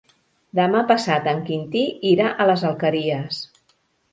Demà passat en Quintí irà a les Alqueries.